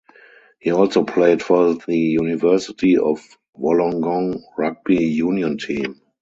He also played for the University of Wollongong rugby union team.